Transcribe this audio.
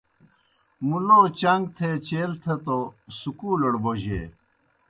مُلو چݩگ تھے چیل تھہ توْ سکولڑ بوجیئے۔